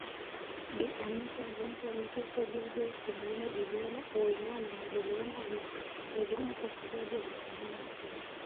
Bi Anita alimpa ruhusa Jabir kumuoa Juliana Owimana na Juliana alilitegemea kwsababu alifahamu ukweli